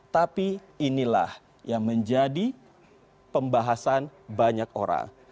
tapi inilah yang menjadi pembahasan banyak orang